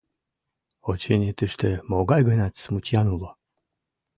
Очыни, тыште могай-гынат смутьян уло.